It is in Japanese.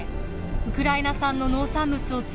ウクライナ産の農産物を積んだ